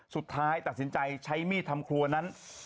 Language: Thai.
สุดท้ายตัดสินใจใช้มีดทำครัวนั้น